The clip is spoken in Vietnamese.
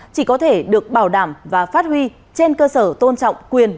chỉ có thể được bảo đảm và phát huy trên cơ sở tôn trọng quyền